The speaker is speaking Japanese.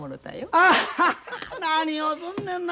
アハハ何をすんねんな。